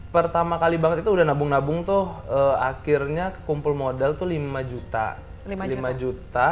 pertama kali itu sudah nabung nabung akhirnya kumpul modal itu lima juta